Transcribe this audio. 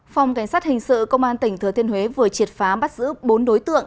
phòng cảnh sát hình sự công an tỉnh thừa thiên huế vừa triệt phá bắt giữ bốn đối tượng